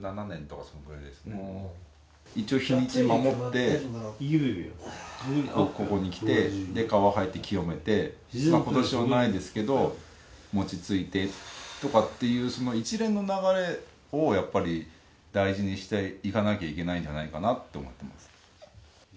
一応日にちを守ってここに来てで川に入って清めて今年はないですけど餅ついてとかっていう一連の流れをやっぱり大事にしていかなきゃいけないんじゃないかなって思ってます。